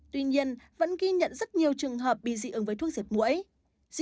tuy nhiên vẫn ghi nhận rất nhiều trường hợp bị dị ứng với thuốc diệt mũi